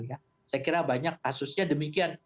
saya kira banyak kasusnya demikian